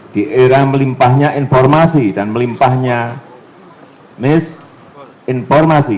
di era melimpahnya informasi dan melimpahnya misinformasi